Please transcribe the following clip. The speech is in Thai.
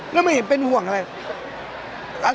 แล้วไม่เห็นเป็นห่วงอะไร